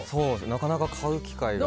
なかなか買う機会がない。